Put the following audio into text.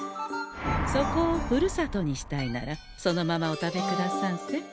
そこをふるさとにしたいならそのままお食べくださんせ。